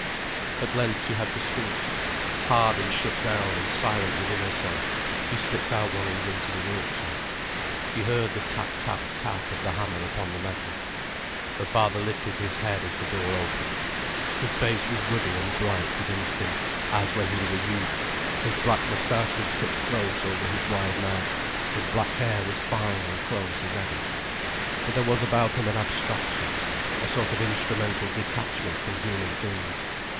At length she had to speak. Hard and shut down and silent within herself, she slipped out one evening to the workshed. She heard the tap tap tap of the hammer upon the metal. Her father lifted his head as the door opened. His face was ruddy and bright with instinct, as when he was a youth, his black moustache was cut close over his wide mouth, his black hair was fine and close as ever. But there was about him an abstraction, a sort of instrumental detachment from human things.